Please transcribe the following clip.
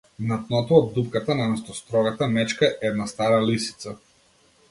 На дното од дупката, наместо строгата мечка - една стара лисица.